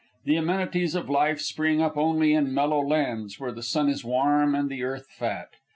The amenities of life spring up only in mellow lands, where the sun is warm and the earth fat.